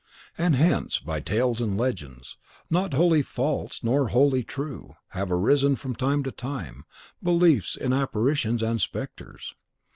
And hence, by tales and legends, not wholly false nor wholly true, have arisen from time to time, beliefs in apparitions and spectres.